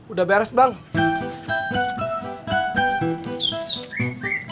udah beres bang